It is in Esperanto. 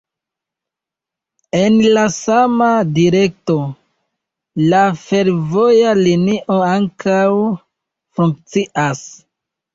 En la sama direkto, la fervoja linio ankaŭ funkcias.